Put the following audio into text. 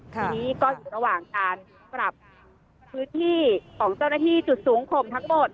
ทีนี้ก็อยู่ระหว่างการปรับพื้นที่ของเจ้าหน้าที่จุดสูงข่มทั้งหมด